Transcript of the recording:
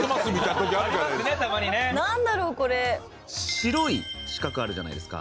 白い四角あるじゃないですか。